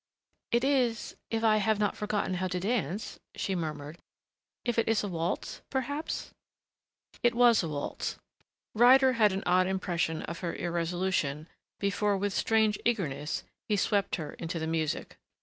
"It is if I have not forgotten how to dance," she murmured. "If it is a waltz, perhaps " It was a waltz. Ryder had an odd impression of her irresolution before, with strange eagerness, he swept her into the music.